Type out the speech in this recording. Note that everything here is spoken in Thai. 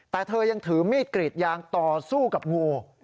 แต่เธอยังถือมีดกรีดยางต่อสู้กับงู